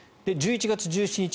１１月１７日